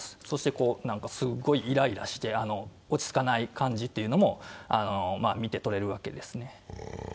そしてすごいいらいらして落ち着かない感じというのも見てとれるわけですね。